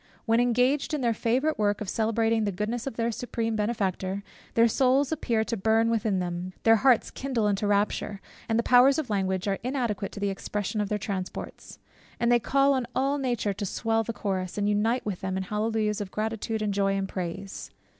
When engaged in their favourite work of celebrating the goodness of their Supreme Benefactor, their souls appear to burn within them, their hearts kindle into rapture; the powers of language are inadequate to the expression of their transports; and they call on all nature to swell the chorus, and to unite with them in hallelujahs of gratitude, and joy, and praise.